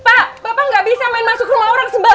pak bapak nggak bisa main masuk rumah orang semua